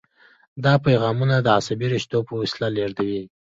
دا پیغامونه د عصبي رشتو په وسیله لیږدوي.